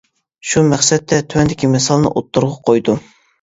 شۇ مەقسەتتە تۆۋەندىكى مىسالنى ئوتتۇرىغا قويدۇم.